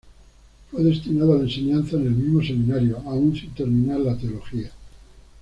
Fue destinado a la enseñanza en el mismo seminario, aun sin terminar la Teología.